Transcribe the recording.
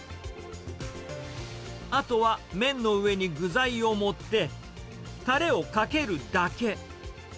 あとは麺の上に具材を盛って、たれをかけるだけ。